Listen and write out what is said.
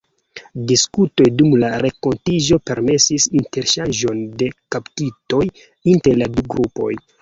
Diskutoj dum la renkontiĝo permesis interŝanĝon de kaptitoj inter la du grupoj.